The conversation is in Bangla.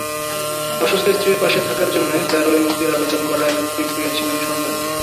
অসুস্থ স্ত্রীর পাশে থাকার জন্য প্যারোলে মুক্তির আবেদন করায় মুক্তি পেয়েছিলেন সঞ্জয়।